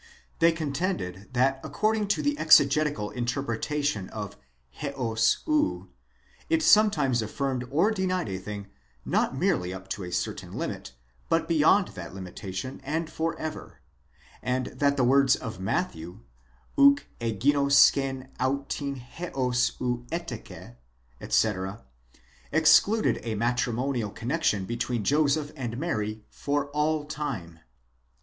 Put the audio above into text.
They contended that according to the exegetical interpretation of ἕως of, it sometimes affirmed or denied a thing, not merely up to a certain limit, but' be yond that limitation and for ever; and that the words of Matthew οὐκ éyive σκεν αὐτὴν ἕως ov ἔτεκε x. τ. A. excluded a matrimonial connexion between Joseph and Mary for all time.